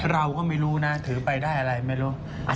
เราก็ไม่รู้นะถือไปได้อะไรไม่รู้